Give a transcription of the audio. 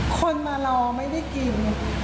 คนมารอไม่ได้กิน